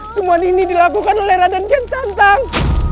semua ini dilakukan oleh raden gen santang